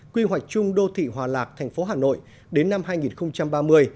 quy hoạch chung đô thị hòa lạc thành phố hà nội đến năm hai nghìn ba mươi